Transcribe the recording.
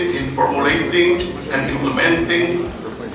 dalam memformulasi dan mengimplementasi